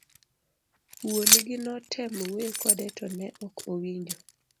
Wuon gi notemo wuoyo kode ,to ne ok owinjo.